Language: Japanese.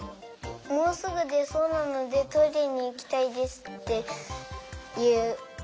もうすぐでそうなのでトイレにいきたいですっていう。